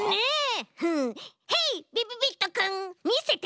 ヘイびびびっとくんみせて！